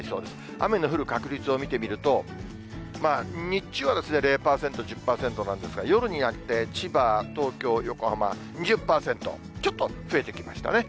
雨の降る確率を見てみると、日中は０％、１０％なんですが、夜になって千葉、東京、横浜、２０％、ちょっと増えてきましたね。